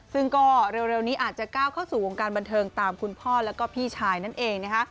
ซึ่งก็เร็วนี้อาจจะก้าวเข้าสู่วงการบันเทิงตามคุณพ่อแล้วก็พี่ชายนั่นเองนะคะ